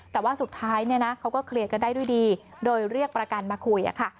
แต่ว่าสุดท้ายเนี่ยนะเขาก็เคลียร์กันได้ด้วยดีโดยเรียกประกันมาคุยค่ะ